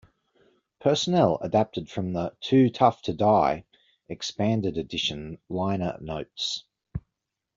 Personnel adapted from the "Too Tough to Die" expanded edition liner notes.